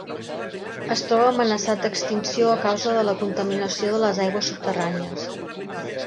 Es troba amenaçat d'extinció a causa de la contaminació de les aigües subterrànies.